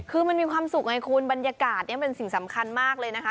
คือมันมีความสุขไงคุณบรรยากาศเนี่ยเป็นสิ่งสำคัญมากเลยนะคะ